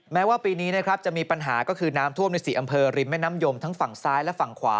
แม้ว่าปีนี้นะครับจะมีปัญหาก็คือน้ำท่วมใน๔อำเภอริมแม่น้ำยมทั้งฝั่งซ้ายและฝั่งขวา